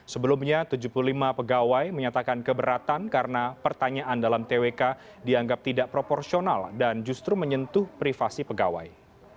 sebelumnya tujuh puluh lima pegawai menyatakan keberatan karena pertanyaan dalam twk dianggap tidak proporsional dan justru menyentuh privasi pegawai